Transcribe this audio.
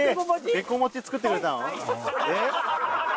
べこ餅作ってくれたの？